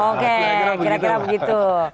oke kira kira begitu